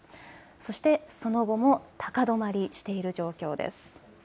そして、その後も高止まりしている状況です。